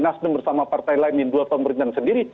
nasdem bersama partai lainnya dua pemerintah sendiri